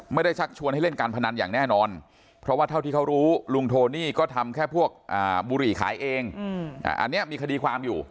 ชักชวนให้เล่นการพนันอย่างแน่นอนเพราะว่าเท่าที่เขารู้ลุงโทนี่ก็ทำแค่พวกบุหรี่ขายเองอันนี้มีคดีความอยู่